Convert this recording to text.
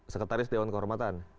sekretaris dewan kehormatan